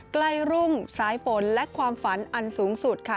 ใกล้รุ่งสายฝนและความฝันอันสูงสุดค่ะ